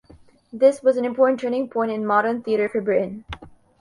This was an important turning point in modern theatre for Britain.